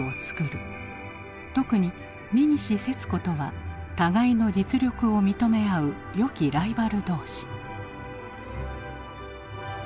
特に三岸節子とは互いの実力を認め合う良きライバル同志。